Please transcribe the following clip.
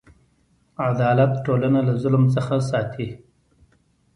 عدالت ټولنه له ظلم څخه ساتي.